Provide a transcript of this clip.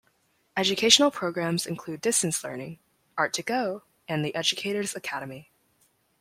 Educational programs include distance learning, "Art to Go", and the "Educator's Academy".